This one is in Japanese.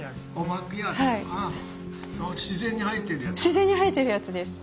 自然に生えてるやつですか？